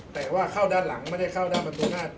แต่ว่าเข้าด้านหลังไม่ได้เข้าด้านประตูหน้า